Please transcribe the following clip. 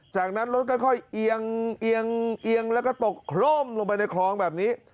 จากนั้นรถค่อยเอียงแล้วก็ตกโคร่มลงไปในคลองแบบนี้